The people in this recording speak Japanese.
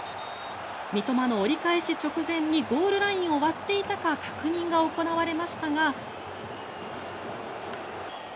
三笘の折り返し直前にゴールラインを割っていたか確認が行われましたが。